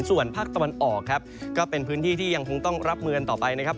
ส่วนภาคตะวันออกครับก็เป็นพื้นที่ที่ยังคงต้องรับมือกันต่อไปนะครับ